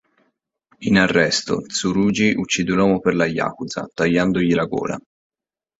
In arresto, Tsurugi uccide l'uomo per la Yakuza, tagliandogli la gola.